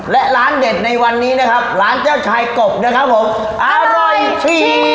และร้านเด็ดในวันนี้นะครับร้านเจ้าชายกบนะครับผมอร่อยชี